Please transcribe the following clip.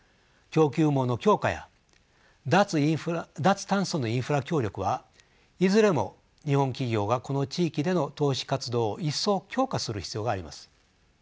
供給網の強化や脱炭素のインフラ協力はいずれも日本企業がこの地域での投資活動をいっそう強化する必要があります。